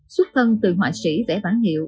xuất thân từ họa sĩ vẽ bản hiệu